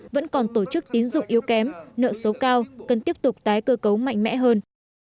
vẫn còn tổ chức tín dụng yếu kém nợ xấu cao cần tiếp tục tái cơ cấu mạnh mẽ hơn